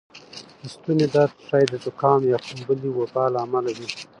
د ستونې درد ښایې د زکام یا کومې بلې وبا له امله وې